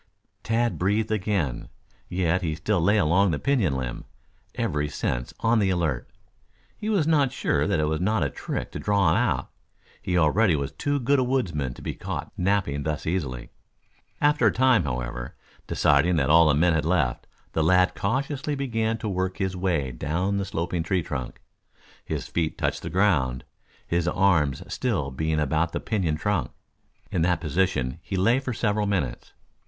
Tad breathed again. Yet he still lay along the pinon limb, every sense on the alert. He was not sure that it was not a trick to draw him out. He already was too good a woodsman to be caught napping thus easily. After a time, however, deciding that all the men had left, the lad cautiously began to work his way down the sloping tree trunk. His feet touched the ground, his arms still being about the pinon trunk. In that position he lay for several minutes.